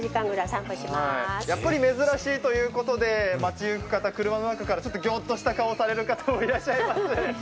やっぱり珍しいということで、街行く方、車の中からちょっとギョッとする方もいらっしゃいます。